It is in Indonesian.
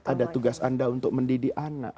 ada tugas anda untuk mendidik anak